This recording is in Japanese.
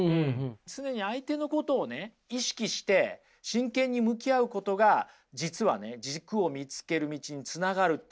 常に相手のことを意識して真剣に向き合うことが実は軸を見つける道につながるということなんですよ。